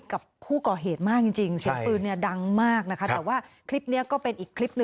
กับผู้เกาะเหตุมากจริงหรือครับว่าคลิปเนี่ยก็เป็นอีกคลิป